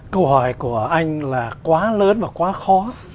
câu hỏi của anh là quá lớn và quá khó